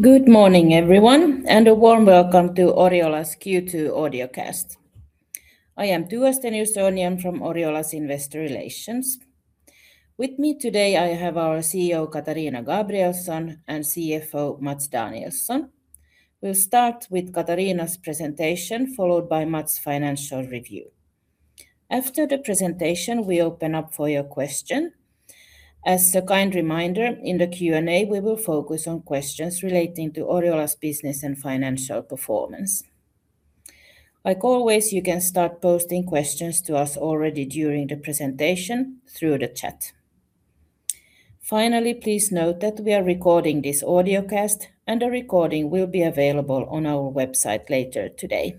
Good morning, everyone, and a warm welcome to Oriola's Q2 audiocast. I am Tua Stenius-Örnhjelm from Oriola's Investor Relations. With me today I have our CEO, Katarina Gabrielson, and CFO, Mats Danielsson. We'll start with Katarina's presentation, followed by Mats' financial review. After the presentation, we open up for your questions. As a kind reminder, in the Q&A we will focus on questions relating to Oriola's business and financial performance. Like always, you can start posting questions to us already during the presentation through the chat. Finally, please note that we are recording this audiocast, and the recording will be available on our website later today.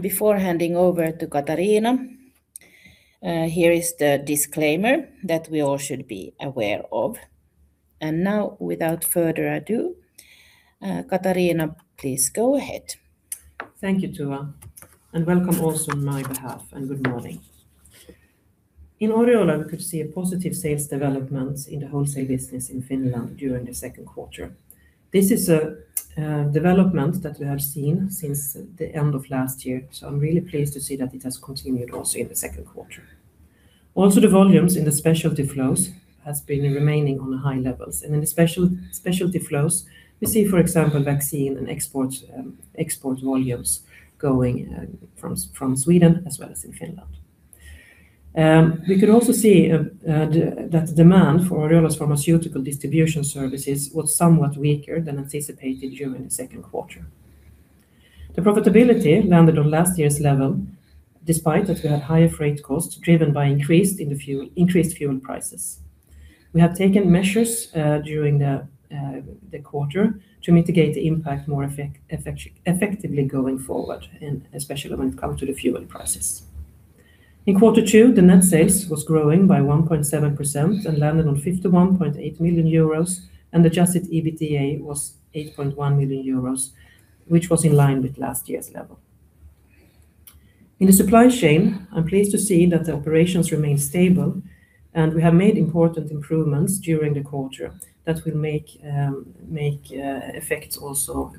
Before handing over to Katarina, here is the disclaimer that we all should be aware of. Now, without further ado, Katarina, please go ahead. Thank you, Tua, and welcome also on my behalf, and good morning. In Oriola, we could see a positive sales development in the wholesale business in Finland during the second quarter. This is a development that we have seen since the end of last year, so I'm really pleased to see that it has continued also in the second quarter. Also, the volumes in the specialty flows has been remaining on the high levels. In the specialty flows, we see, for example, vaccine and export volumes going from Sweden as well as in Finland. We could also see that demand for Oriola's pharmaceutical distribution services was somewhat weaker than anticipated during the second quarter. The profitability landed on last year's level, despite that we had higher freight costs driven by increased fuel prices. We have taken measures during the quarter to mitigate the impact more effectively going forward, and especially when it comes to the fuel prices. In Q2, the net sales was growing by 1.7% and landed on 51.8 million euros, and adjusted EBITDA was 8.1 million euros, which was in line with last year's level. In the supply chain, I'm pleased to see that the operations remain stable, and we have made important improvements during the quarter that will make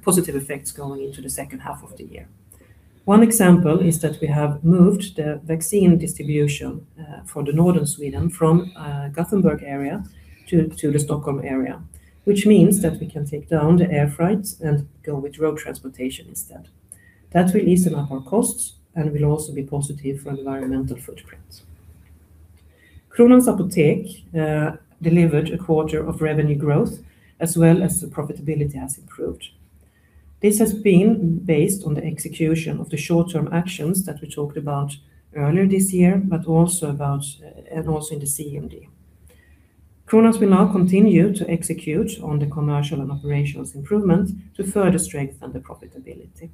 positive effects going into the second half of the year. One example is that we have moved the vaccine distribution for the Northern Sweden from Gothenburg area to the Stockholm area, which means that we can take down the air freight and go with road transportation instead. That will lessen up our costs and will also be positive for environmental footprint. Kronans Apotek delivered a quarter of revenue growth as well as the profitability has improved. This has been based on the execution of the short-term actions that we talked about earlier this year, but also about [CMD]. Kronans will now continue to execute on the commercial and operations improvement to further strengthen the profitability.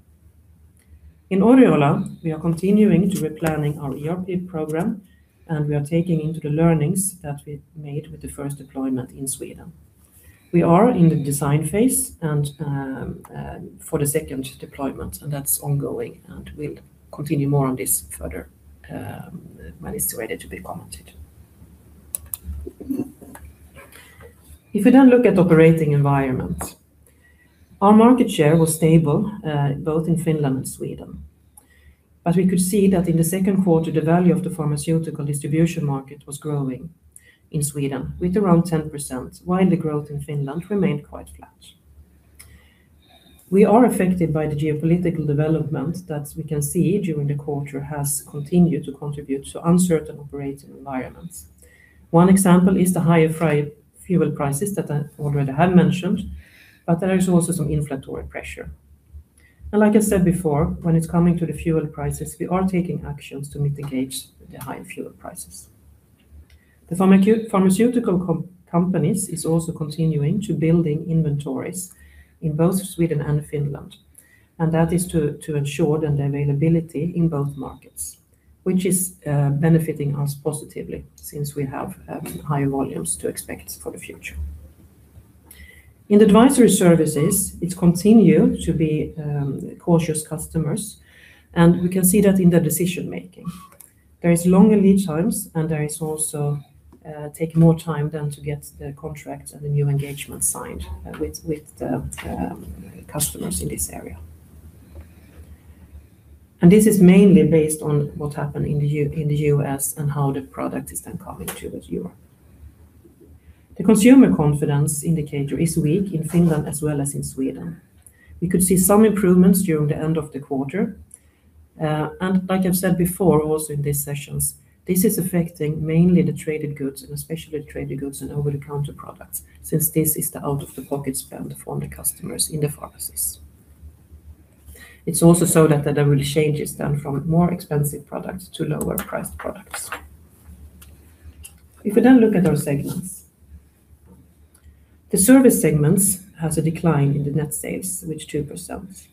In Oriola, we are continuing to replanning our ERP program, and we are taking into the learnings that we made with the first deployment in Sweden. We are in the design phase for the second deployment, and that's ongoing and we'll continue more on this further when it's ready to be commented. If we then look at operating environment, our market share was stable both in Finland and Sweden. We could see that in the second quarter, the value of the pharmaceutical distribution market was growing in Sweden with around 10%, while the growth in Finland remained quite flat. We are affected by the geopolitical development that we can see during the quarter has continued to contribute to uncertain operating environments. One example is the higher fuel prices that I already have mentioned, but there is also some inflationary pressure. Like I said before, when it's coming to the fuel prices, we are taking actions to mitigate the high fuel prices. The pharmaceutical companies is also continuing to building inventories in both Sweden and Finland, and that is to ensure the availability in both markets, which is benefiting us positively since we have higher volumes to expect for the future. In advisory services, it continue to be cautious customers, and we can see that in the decision-making. There is longer lead times, and there is also taking more time than to get the contracts and the new engagement signed with the customers in this area. This is mainly based on what happened in the U.S. and how the product is then coming to Europe. The consumer confidence indicator is weak in Finland as well as in Sweden. We could see some improvements during the end of the quarter. Like I've said before, also in these sessions, this is affecting mainly the traded goods and especially the traded goods and over-the-counter products, since this is the out-of-the-pocket spend from the customers in the pharmacies. It's also so that there will be changes then from more expensive products to lower priced products. If we then look at our segments, the service segments has a decline in the net sales with 2%.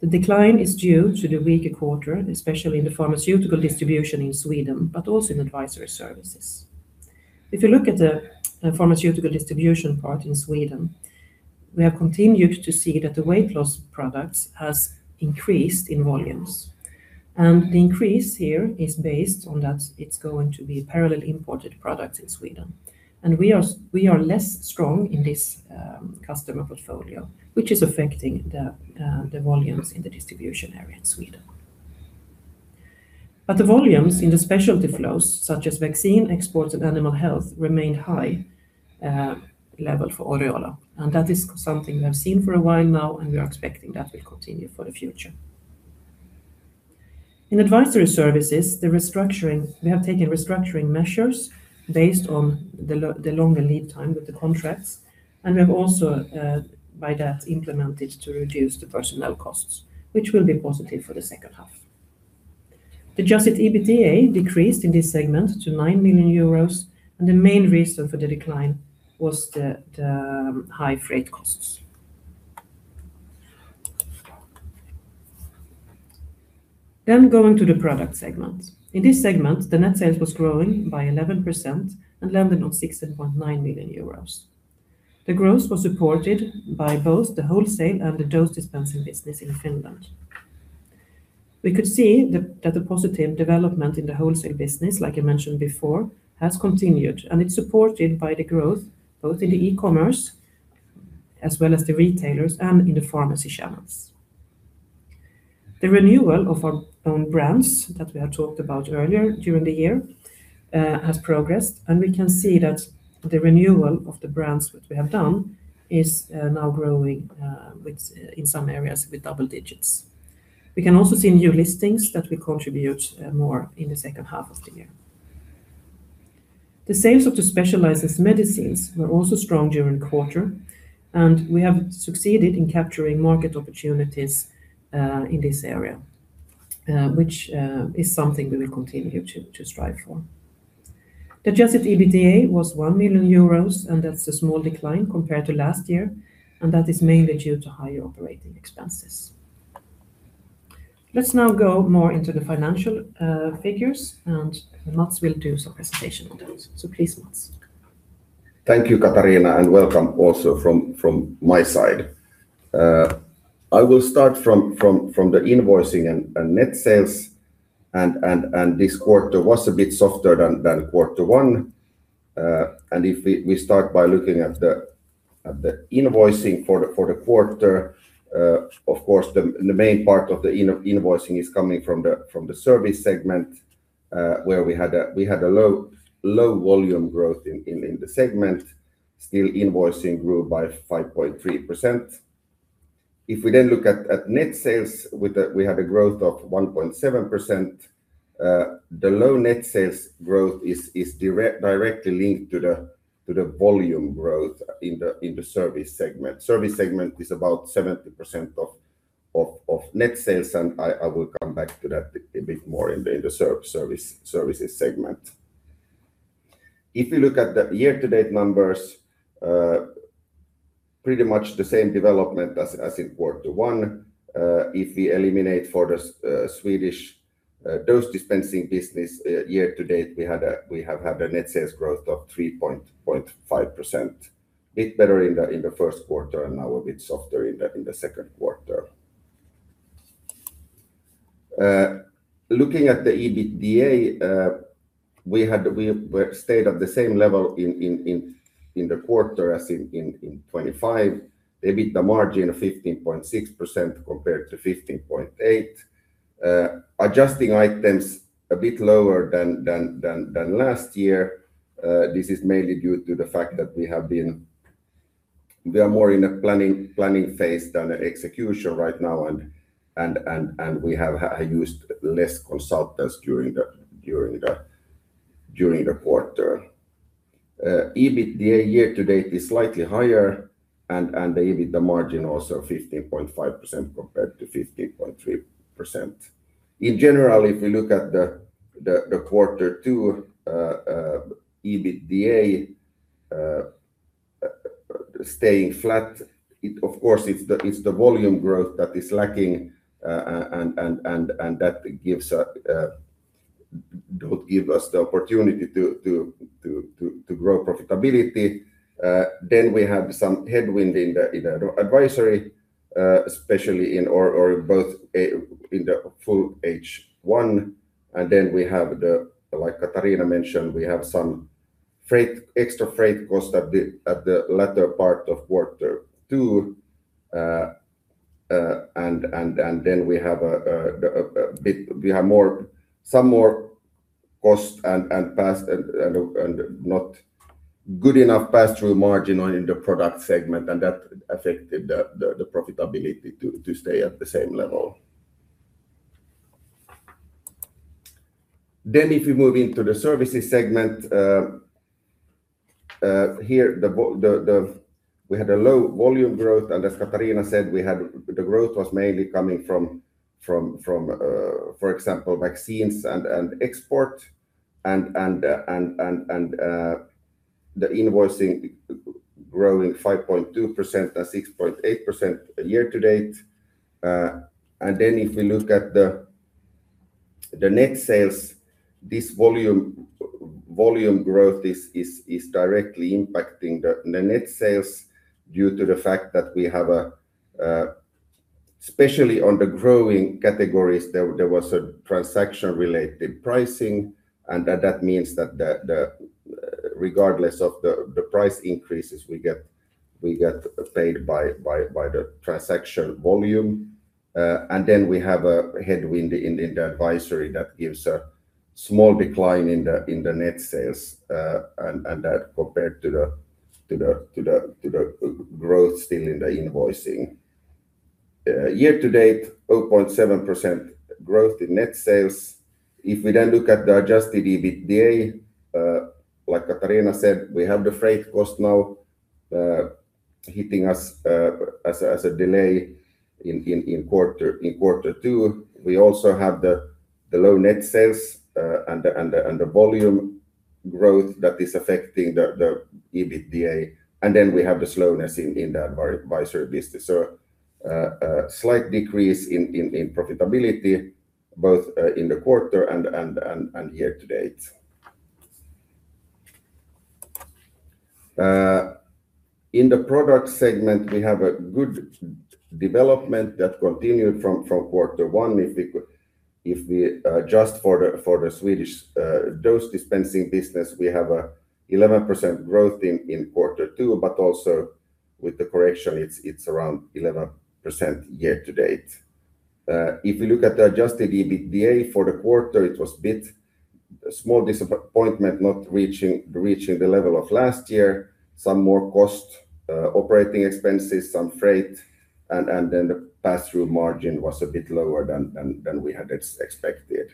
The decline is due to the weaker quarter, especially in the pharmaceutical distribution in Sweden, but also in advisory services. If you look at the pharmaceutical distribution part in Sweden. We have continued to see that the weight loss products has increased in volumes. The increase here is based on that it's going to be parallel imported products in Sweden. We are less strong in this customer portfolio, which is affecting the volumes in the distribution area in Sweden. The volumes in the specialty flows, such as vaccine exports and animal health, remain high level for Oriola, and that is something we have seen for a while now and we are expecting that will continue for the future. In advisory services, we have taken restructuring measures based on the longer lead time with the contracts, and we have also by that implemented to reduce the personnel costs, which will be positive for the second half. The adjusted EBITDA decreased in this segment to 9 million euros. The main reason for the decline was the high freight costs. Going to the product segment. In this segment, the net sales was growing by 11% and landed on 16.9 million euros. The growth was supported by both the wholesale and the dose dispensing business in Finland. We could see that the positive development in the wholesale business, like I mentioned before, has continued, and it's supported by the growth, both in the e-commerce as well as the retailers and in the pharmacy channels. The renewal of our own brands that we have talked about earlier during the year has progressed. We can see that the renewal of the brands which we have done is now growing in some areas with double digits. We can also see new listings that will contribute more in the second half of the year. The sales of the specialized medicines were also strong during quarter. We have succeeded in capturing market opportunities in this area, which is something we will continue to strive for. The adjusted EBITDA was 1 million euros. That's a small decline compared to last year, and that is mainly due to higher operating expenses. Let's now go more into the financial figures. Mats will do some presentation on those. So please, Mats. Thank you, Katarina, and welcome also from my side. I will start from the invoicing and net sales. This quarter was a bit softer than quarter one. If we start by looking at the invoicing for the quarter, of course, the main part of the invoicing is coming from the service segment, where we had a low volume growth in the segment. Still, invoicing grew by 5.3%. If we then look at net sales, we have a growth of 1.7%. The low net sales growth is directly linked to the volume growth in the service segment. Service segment is about 70% of net sales. I will come back to that a bit more in the services segment. If you look at the year-to-date numbers, pretty much the same development as in quarter one. If we eliminate for the Swedish dose dispensing business year to date, we have had a net sales growth of 3.5%, a bit better in the first quarter and now a bit softer in the second quarter. Looking at the EBITDA, we stayed at the same level in the quarter as in 2025. The EBITDA margin of 15.6% compared to 15.8%, adjusting items a bit lower than last year. This is mainly due to the fact that we are more in a planning phase than execution right now. We have used less consultants during the quarter. EBITDA year to date is slightly higher, and the EBITDA margin also 15.5% compared to 15.3%. In general, if we look at the quarter two EBITDA staying flat, of course, it's the volume growth that is lacking, and that don't give us the opportunity to grow profitability. We have some headwind in the advisory, especially in, or both in the full H1. We have the, like Katarina mentioned, we have some extra freight cost at the latter part of quarter two. We have some more cost and not good enough pass-through margin on in the product segment. That affected the profitability to stay at the same level. If we move into the services segment, here we had a low volume growth. As Katarina said, the growth was mainly coming from, for example, vaccines and export and the invoicing growing 5.2% and 6.8% year to date. If we look at the net sales, this volume growth is directly impacting the net sales due to the fact that we have, especially on the growing categories, there was a transaction-related pricing and that means that regardless of the price increases we get paid by the transaction volume. We have a headwind in the advisory that gives a small decline in the net sales, and that compared to the growth still in the invoicing. Year to date, 0.7% growth in net sales. Looking at the adjusted EBITDA, like Katarina said, we have the freight cost now hitting us as a delay in quarter two. We also have the low net sales and the volume growth that is affecting the EBITDA. We have the slowness in the advisory business. A slight decrease in profitability both in the quarter and year to date. In the product segment, we have a good development that continued from quarter one. If we adjust for the Swedish dose dispensing business, we have an 11% growth in quarter two, but also with the correction, it is around 11% year to date. Looking at the adjusted EBITDA for the quarter, it was a bit small disappointment, not reaching the level of last year. Some more cost operating expenses, some freight, the pass-through margin was a bit lower than we had expected.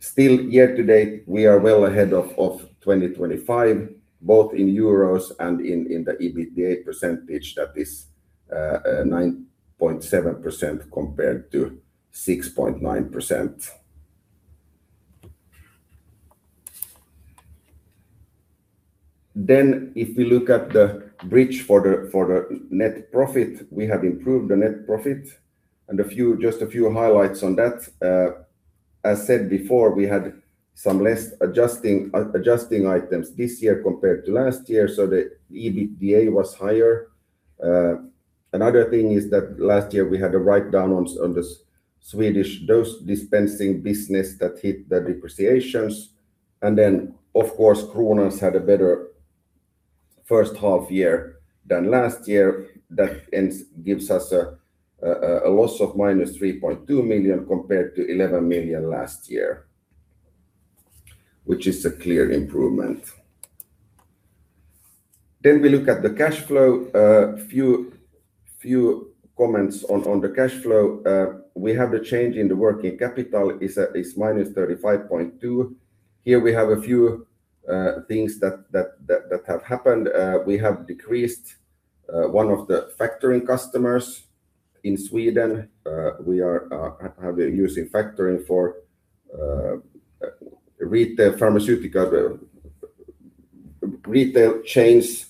Still, year to date, we are well ahead of 2025, both in EUR and in the EBITDA percentage that is 9.7% compared to 6.9%. Looking at the bridge for the net profit, we have improved the net profit and just a few highlights on that. As said before, we had some less adjusting items this year compared to last year, so the EBITDA was higher. Another thing is that last year we had a write-down on the Swedish dose dispensing business that hit the depreciations. Of course, Kronans had a better first half year than last year. That gives us a loss of minus 3.2 million compared to 11 million last year, which is a clear improvement. We look at the cash flow. A few comments on the cash flow. We have the change in the working capital is -35.2 million. Here we have a few things that have happened. We have decreased one of the factoring customers in Sweden. We are using factoring for pharmaceutical retail chains,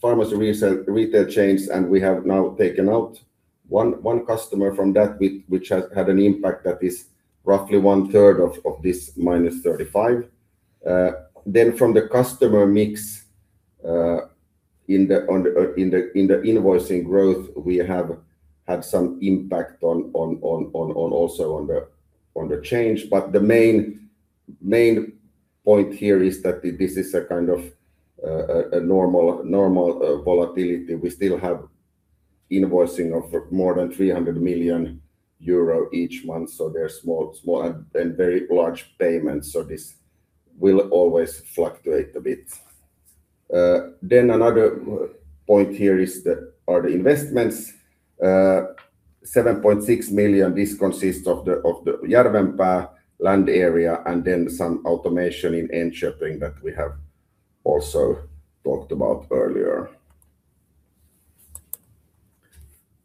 pharmacy retail chains, and we have now taken out one customer from that, which has had an impact that is roughly one third of this -35 million. From the customer mix in the invoicing growth, we have had some impact also on the change. The main point here is that this is a kind of a normal volatility. We still have invoicing of more than 300 million euro each month. They are small and very large payments. This will always fluctuate a bit. Another point here is that our investments 7.6 million. This consists of the Järvenpää land area and some automation in Enköping that we have also talked about earlier.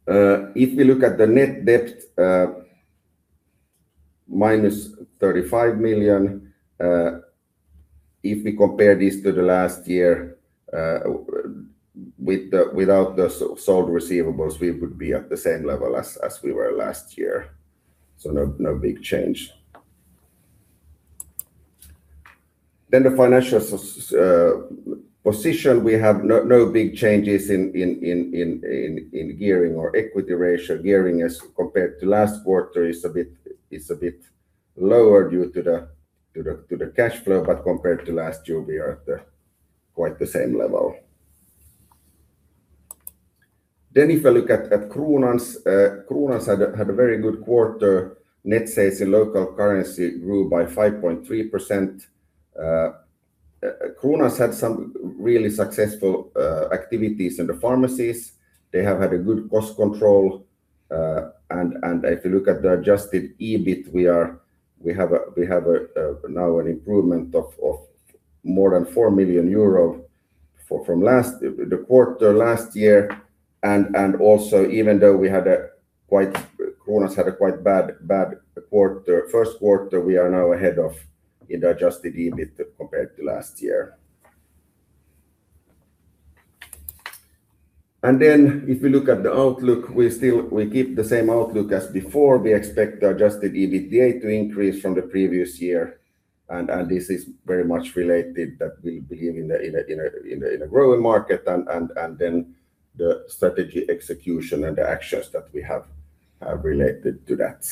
Looking at the net debt, -35 million. If we compare this to the last year without the sold receivables, we would be at the same level as we were last year. No big change. The financial position, we have no big changes in gearing or equity ratio. Gearing as compared to last quarter is a bit lower due to the cash flow. Compared to last year, we are at quite the same level. If we look at Kronans. Kronans had a very good quarter. Net sales in local currency grew by 5.3%. Kronans had some really successful activities in the pharmacies. They have had a good cost control. If you look at the adjusted EBIT, we have now an improvement of more than 4 million euro from the quarter last year. Also, even though Kronans had a quite bad first quarter, we are now ahead of in the adjusted EBIT compared to last year. If we look at the outlook, we keep the same outlook as before. We expect the adjusted EBITDA to increase from the previous year. This is very much related that we believe in the growing market and then the strategy execution and the actions that we have related to that.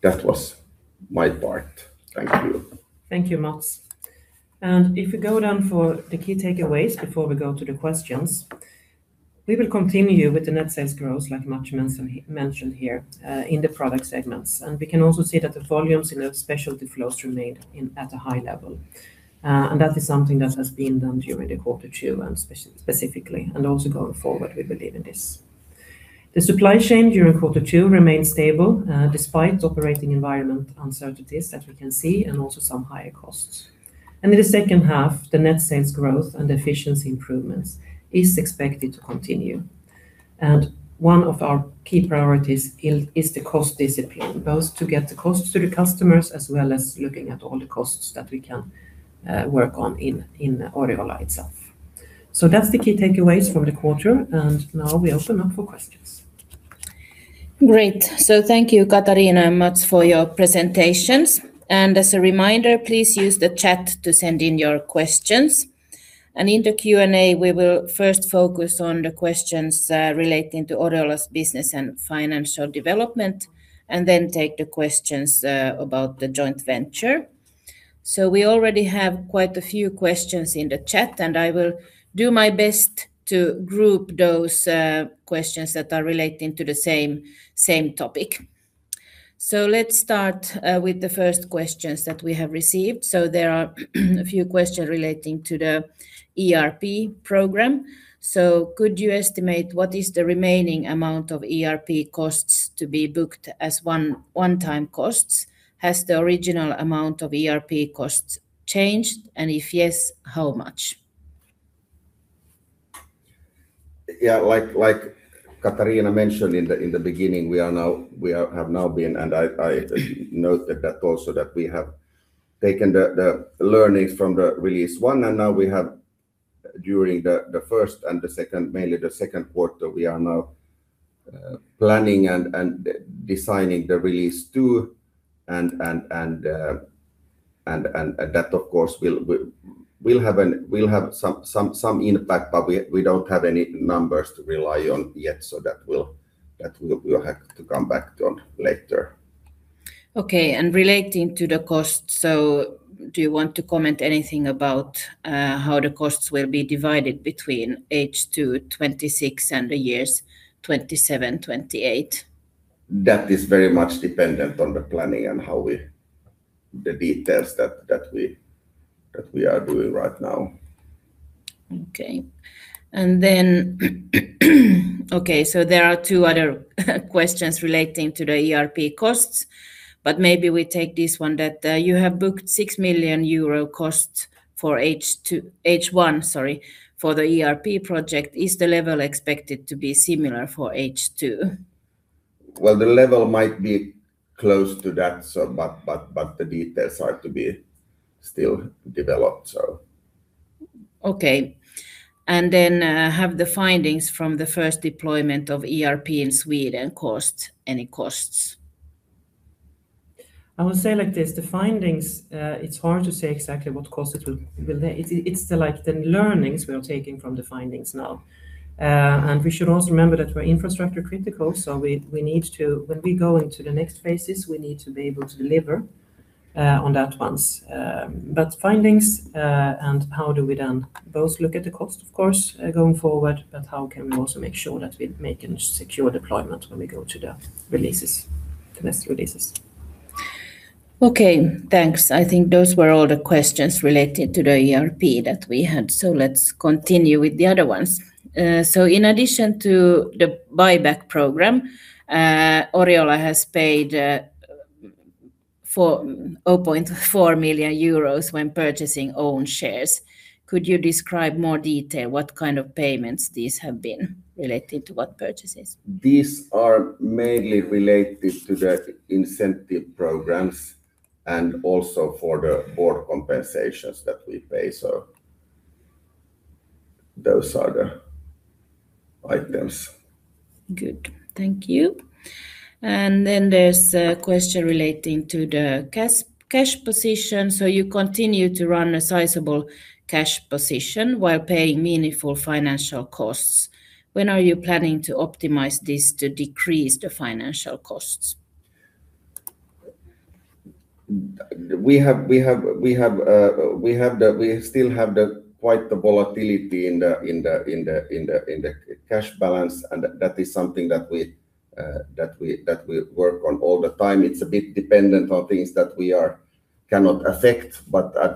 That was my part. Thank you. Thank you, Mats. If we go down for the key takeaways before we go to the questions, we will continue with the net sales growth like Mats mentioned here, in the product segments. We can also see that the volumes in the specialty flows remained at a high level. That is something that has been done during the quarter two specifically, and also going forward, we believe in this. The supply chain during quarter two remained stable, despite operating environment uncertainties that we can see and also some higher costs. In the second half, the net sales growth and efficiency improvements is expected to continue. One of our key priorities is the cost discipline, both to get the costs to the customers, as well as looking at all the costs that we can work on in Oriola itself. That's the key takeaways from the quarter. Now we open up for questions. Thank you, Katarina and Mats, for your presentations. As a reminder, please use the chat to send in your questions. In the Q&A, we will first focus on the questions relating to Oriola's business and financial development, and then take the questions about the joint venture. We already have quite a few questions in the chat, and I will do my best to group those questions that are relating to the same topic. Let's start with the first questions that we have received. There are a few questions relating to the ERP program. Could you estimate what is the remaining amount of ERP costs to be booked as one-time costs? Has the original amount of ERP costs changed? If yes, how much? Like Katarina mentioned in the beginning, we have now been, and I noted that also that we have taken the learnings from the release one, and now we have, during the first and the second, mainly the second quarter, we are now planning and designing the release two. That of course will have some impact, but we don't have any numbers to rely on yet. That we'll have to come back to later. Okay. Relating to the cost, do you want to comment anything about how the costs will be divided between H2 2026 and the years 2027, 2028? That is very much dependent on the planning and the details that we are doing right now. Okay. There are two other questions relating to the ERP costs, maybe we take this one that you have booked 6 million euro cost for H1, for the ERP project. Is the level expected to be similar for H2? Well, the level might be close to that, the details are to be still developed. Okay. Have the findings from the first deployment of ERP in Sweden caused any costs? I would say like this, the findings, it's hard to say exactly what cost. It's the learnings we are taking from the findings now. We should also remember that we're infrastructure critical, when we go into the next phases, we need to be able to deliver on that once. Findings, how do we then both look at the cost of course, going forward, how can we also make sure that we make a secure deployment when we go to the next releases? Okay, thanks. I think those were all the questions related to the ERP that we had. Let's continue with the other ones. In addition to the buyback program, Oriola has paid 0.4 million euros when purchasing own shares. Could you describe more detail what kind of payments these have been related to what purchases? These are mainly related to the incentive programs and also for the board compensations that we pay. Those are the items. Good. Thank you. There's a question relating to the cash position. You continue to run a sizable cash position while paying meaningful financial costs. When are you planning to optimize this to decrease the financial costs? We still have the quite the volatility in the cash balance, and that is something that we work on all the time. It's a bit dependent on things that we cannot affect,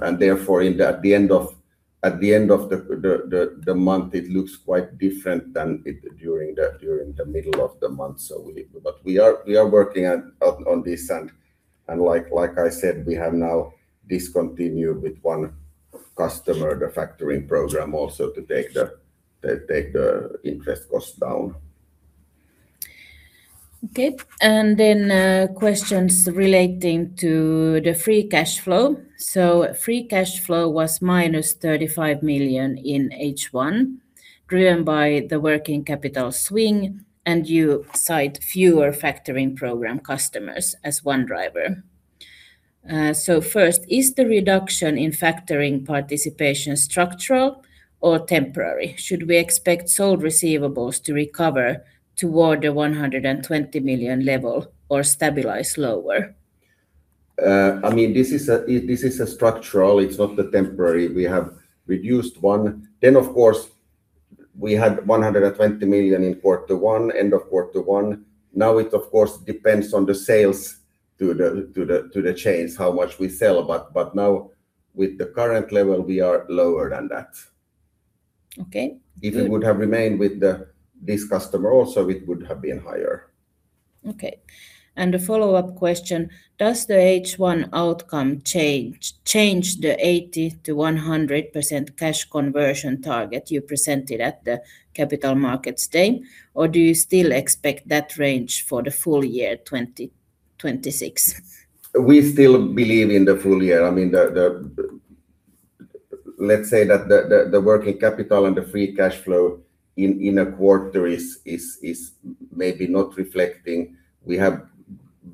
and therefore at the end of the month, it looks quite different than during the middle of the month. We are working on this and like I said, we have now discontinued with one customer, the factoring program also to take the interest cost down. Okay. Questions relating to the free cash flow. Free cash flow was -35 million in H1, driven by the working capital swing, and you cite fewer factoring program customers as one driver. First, is the reduction in factoring participation structural or temporary? Should we expect sold receivables to recover toward the 120 million level or stabilize lower? This is structural, it's not temporary. We have reduced one. Of course, we had 120 million in end of quarter one. It, of course, depends on the sales to the chains, how much we sell. With the current level, we are lower than that. Okay. If it would have remained with this customer also, it would have been higher. Okay, a follow-up question: Does the H1 outcome change the 80%-100% cash conversion target you presented at the Capital Markets Day, or do you still expect that range for the full year 2026? We still believe in the full year. Let's say that the working capital and the free cash flow in a quarter is maybe not reflecting. We have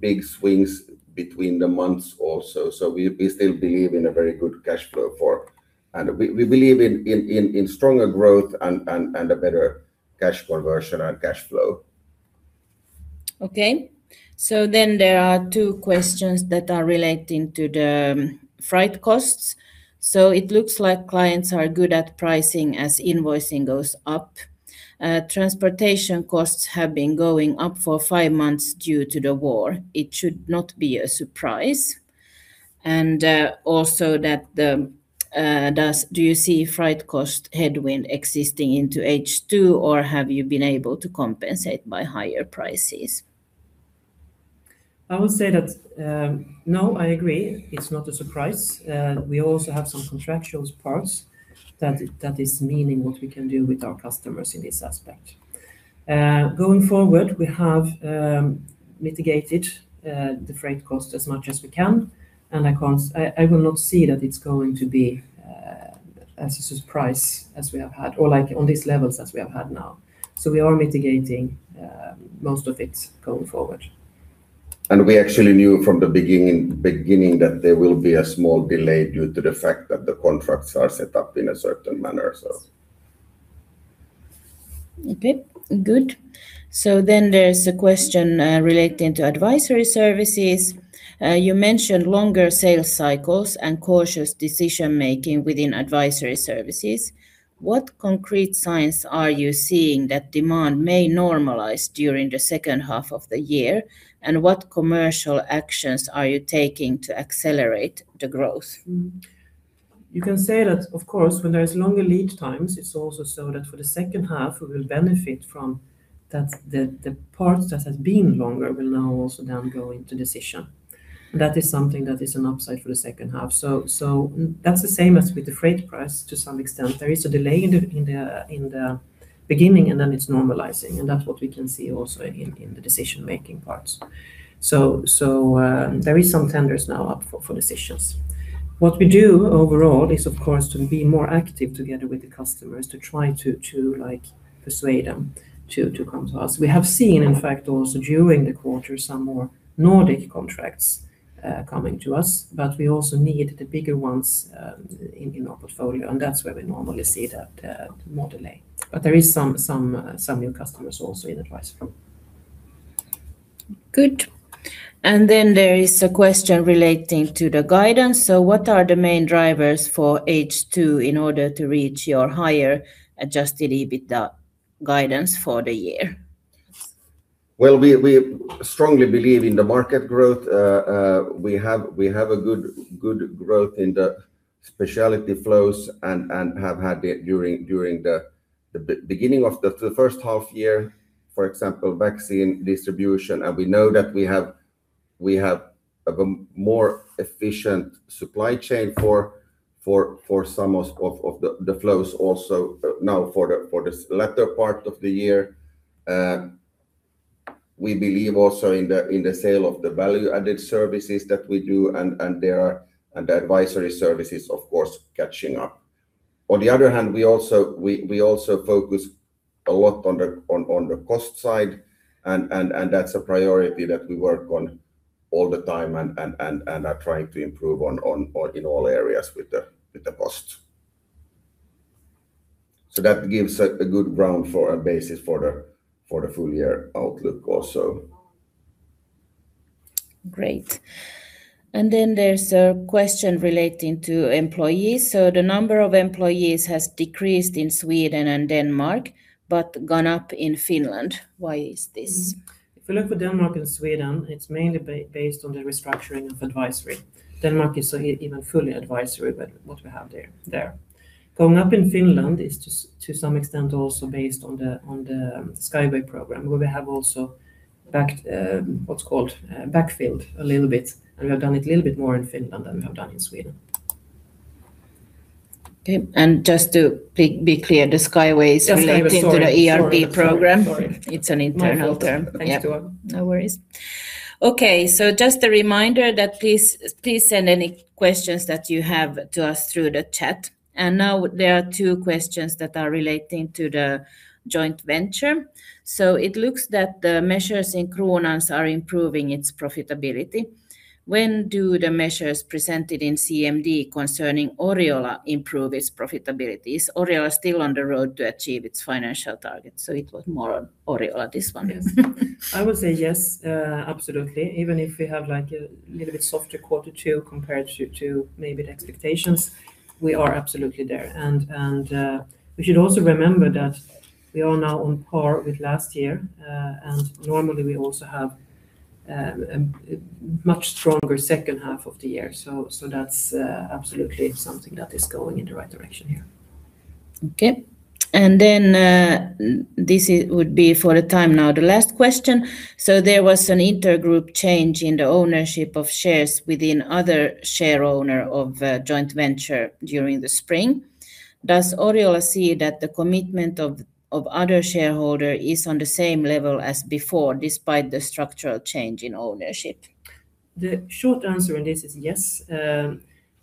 big swings between the months also. We still believe in a very good cash flow. We believe in stronger growth and a better cash conversion and cash flow. Okay. There are two questions that are relating to the freight costs. It looks like clients are good at pricing as invoicing goes up. Transportation costs have been going up for five months due to the war. It should not be a surprise. Do you see freight cost headwind existing into H2, or have you been able to compensate by higher prices? I would say that, no, I agree. It's not a surprise. We also have some contractual parts that is meaning what we can do with our customers in this aspect. Going forward, we have mitigated the freight cost as much as we can, and I will not see that it's going to be as a surprise as we have had or on these levels as we have had now. We are mitigating most of it going forward. We actually knew from the beginning that there will be a small delay due to the fact that the contracts are set up in a certain manner. Okay, good. There's a question relating to advisory services. You mentioned longer sales cycles and cautious decision making within advisory services. What concrete signs are you seeing that demand may normalize during the second half of the year? What commercial actions are you taking to accelerate the growth? You can say that, of course, when there is longer lead times, it's also so that for the second half we will benefit from the parts that has been longer will now also then go into decision. That is something that is an upside for the second half. That's the same as with the freight price to some extent. There is a delay in the beginning and then it's normalizing, and that's what we can see also in the decision making parts. There is some tenders now up for decisions. What we do overall is, of course, to be more active together with the customers, to try to persuade them to come to us. We have seen, in fact, also during the quarter some more Nordic contracts coming to us, but we also need the bigger ones in our portfolio, and that's where we normally see that more delay. There is some new customers also in advisory. Good. There is a question relating to the guidance. What are the main drivers for H2 in order to reach your higher adjusted EBITDA guidance for the year? Well, we strongly believe in the market growth. We have a good growth in the specialty flows and have had during the beginning of the first half year, for example, vaccine distribution. We know that we have a more efficient supply chain for some of the flows also now for this latter part of the year. We believe also in the sale of the value-added services that we do, and the advisory services, of course, catching up. On the other hand, we also focus a lot on the cost side, and that's a priority that we work on all the time and are trying to improve on in all areas with the costs. That gives a good ground for a basis for the full year outlook also. Great. There's a question relating to employees. The number of employees has decreased in Sweden and Denmark, but gone up in Finland. Why is this? If you look for Denmark and Sweden, it's mainly based on the restructuring of advisory. Denmark is even fully advisory with what we have there. Going up in Finland is to some extent also based on the Skyway program, where we have also what's called backfilled a little bit, and we have done it a little bit more in Finland than we have done in Sweden. Okay. Just to be clear, the Skyway is related to the ERP program. It's an internal term. Yeah. No worries. Okay. Just a reminder that please send any questions that you have to us through the chat. Now there are two questions that are relating to the joint venture. It looks that the measures in Kronans Apotek are improving its profitability. When do the measures presented in CMD concerning Oriola improve its profitability? Is Oriola still on the road to achieve its financial targets? It was more on Oriola, this one. Yes. I would say yes, absolutely. Even if we have a little bit softer Q2 compared to maybe the expectations, we are absolutely there. We should also remember that we are now on par with last year, and normally we also have a much stronger second half of the year. That's absolutely something that is going in the right direction here. Okay. This would be for the time now the last question. There was an inter-group change in the ownership of shares within other share owner of a joint venture during the spring. Does Oriola see that the commitment of other shareholder is on the same level as before, despite the structural change in ownership? The short answer in this is yes.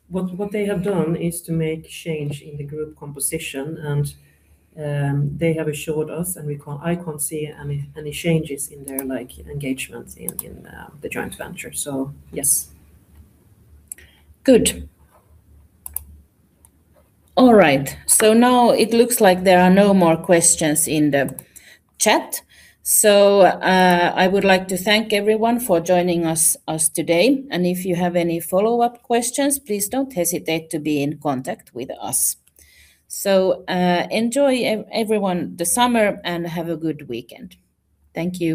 What they have done is to make change in the group composition, they have assured us, and I can't see any changes in their engagements in the joint venture. Yes. Good. All right. Now it looks like there are no more questions in the chat. I would like to thank everyone for joining us today. If you have any follow-up questions, please don't hesitate to be in contact with us. Enjoy, everyone, the summer, and have a good weekend. Thank you